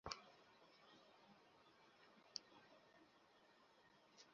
আমার কিছু কাজ করতে হয়েছিলো।